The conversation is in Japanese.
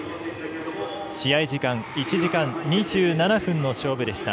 試合時間１時間２７分の勝負でした。